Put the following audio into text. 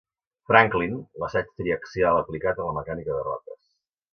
Franklin, l’assaig triaxial aplicat a la mecànica de roques.